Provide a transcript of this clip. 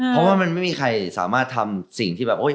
เพราะว่ามันไม่มีใครสามารถทำสิ่งที่แบบโอ๊ย